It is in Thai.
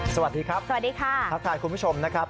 สวัสดีครับสวัสดีค่ะทักทายคุณผู้ชมนะครับ